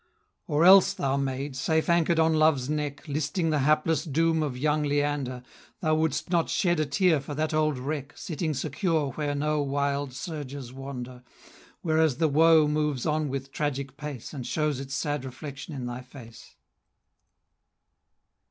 Or else, thou maid! safe anchor'd on Love's neck, Listing the hapless doom of young Leander, Thou would'st not shed a tear for that old wreck, Sitting secure where no wild surges wander; Whereas the woe moves on with tragic pace, And shows its sad reflection in thy face.